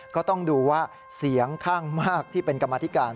ก็ต้องดูว่าเสียงข้างมากที่เป็นกรรมธิการ